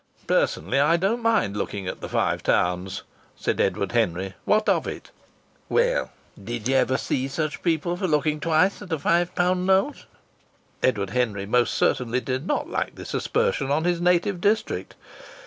"Personally, I don't mind looking at the Five Towns," said Edward Henry. "What of it?" "Well, did you ever see such people for looking twice at a five pound note?" Edward Henry most certainly did not like this aspersion on his native district.